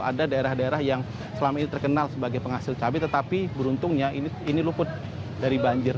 ada daerah daerah yang selama ini terkenal sebagai penghasil cabai tetapi beruntungnya ini luput dari banjir